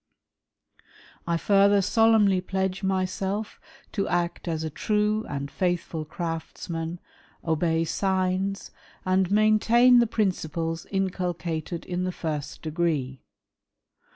I further solemnly pledge myself to act as a '' true and faithful craftsman, obey signs, and maintain the " principles inculcated in the fu st degree.